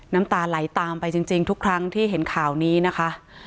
น้ำตาไหลตามไปจริงทุกครั้งที่เห็นข่าวนี้นะคะ